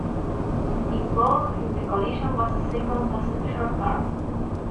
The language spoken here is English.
Involved in the collision was a second passenger car.